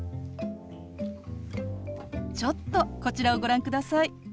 ちょっとこちらをご覧ください。